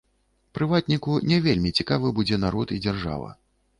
Прыватніку не вельмі цікавы будзе народ і дзяржава.